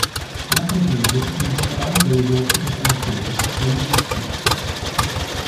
La presiede il generale dell'esercito francese Denis Letty.